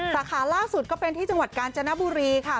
สาขาล่าสุดก็เป็นที่จังหวัดกาญจนบุรีค่ะ